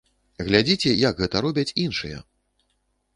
Глядзіце, як гэта робяць іншыя!